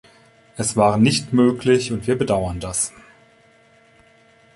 Es war nicht möglich, und wir bedauern das.